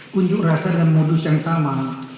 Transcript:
kunjuk rasa dengan modus yang sama